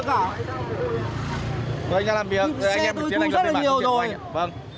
tôi không có gì để làm việc cả